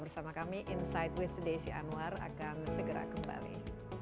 bersama kami insight with desi anwar akan segera kembali